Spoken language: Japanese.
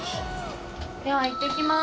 ではいってきます。